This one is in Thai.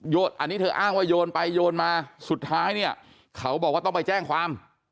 อันนี้เธออ้างว่าโยนไปโยนมาสุดท้ายเนี่ยเขาบอกว่าต้องไปแจ้งความ